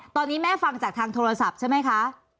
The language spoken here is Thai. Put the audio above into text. ตอนนี้แม่ฟังจากทางโทรศัพท์ใช่ไหมคะ